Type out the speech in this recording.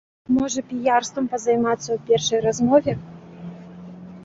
Можа піярствам пазаймацца у першай размове.